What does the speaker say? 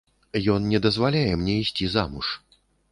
Ён не дазваляе мне ісці замуж.